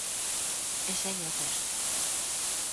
E segue o texto.